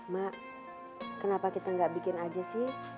mak kenapa kita nggak bikin aja sih